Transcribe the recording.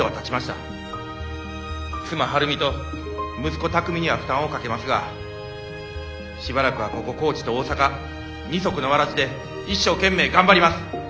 妻晴美と息子巧海には負担をかけますがしばらくはここ高知と大阪二足のわらじで一生懸命頑張ります！